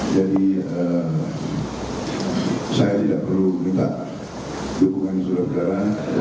jadi saya tidak perlu minta dukungan saudara saudara